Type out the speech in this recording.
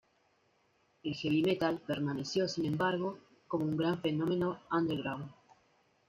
El heavy metal permaneció, sin embargo, como un gran fenómeno underground.